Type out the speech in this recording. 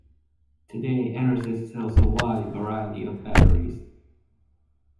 Today, Enersys sells a wide variety of batteries.